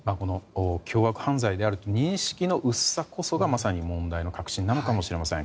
凶悪犯罪であるという認識の薄さがまさに問題の核心なのかもしれません。